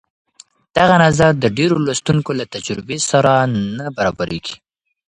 دغه نظر د ډېرو لوستونکو له تجربې سره نه برابرېږي.